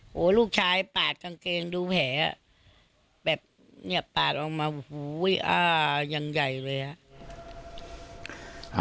ลูกชายปาดกางเกงดูแผลแบบเนี่ยปาดออกมาโอ้โหอ้ายังใหญ่เลยอ่ะ